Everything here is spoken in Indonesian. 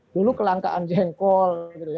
dulu kelangkaan jengkol